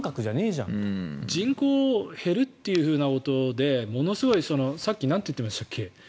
だけど人口減るっていうふうなことでものすごいさっきなんて言ってましたっけ？